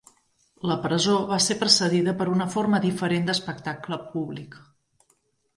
La presó va ser precedida per una forma diferent d'espectacle públic.